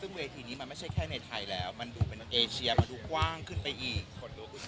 ซึ่งเวทีนี้มันไม่ใช่แค่ในไทยแล้วมันดูเป็นเอเชียมันดูกว้างขึ้นไปอีก